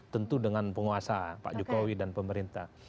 tentu dengan penguasa pak jokowi dan pemerintah